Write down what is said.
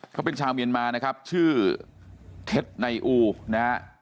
เขาเป็นชาวเมียนมานะครับชื่อเท็จในอูนะฮะ